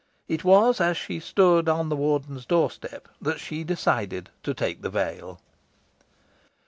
It was as she stood on the Warden's door step that she decided to take the veil.